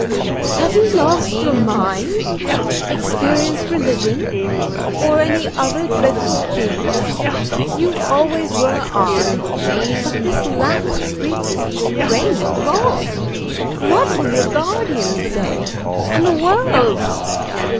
"Have you lost your mind? experienced religion? or any other dreadful thing? You always were odd, but this last freak is the strangest of all. What will your guardian say, and the world?"